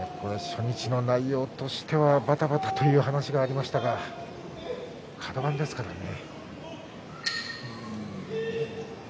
初日の内容としてはばたばたという話がありましたがカド番ですからね。